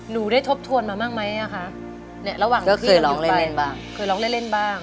หนูได้ทบทวนมามากมั้ยอ่ะคะเคยร้องเล่นเล่นบ้าง